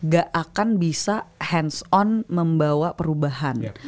gak akan bisa hands on membawa perubahan